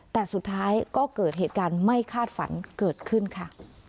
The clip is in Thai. แต่สุดท้ายก็เกิดเหตุการณ์ไม่คาดฝันเกิดขึ้นค่ะ